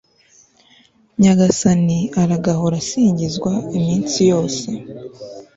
nyagasani aragahora asingizwa iminsi yose